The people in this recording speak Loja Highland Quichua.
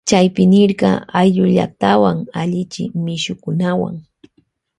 Chaypi nirka ayllullaktawan allichi mishukunawuan.